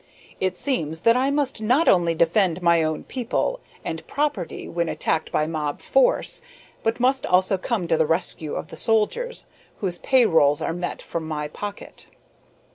"It seems that I must not only defend my own people and property when attacked by mob force, but must also come to the rescue of the soldiers whose pay rolls are met from my pocket."